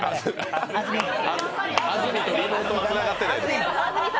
安住とリモートつながってないです。